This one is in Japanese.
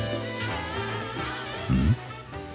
うん？